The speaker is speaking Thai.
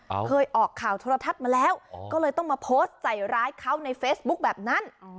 เคยออกข่าวโทรทัศน์มาแล้วก็เลยต้องมาโพสต์ใส่ร้ายเขาในเฟซบุ๊คแบบนั้น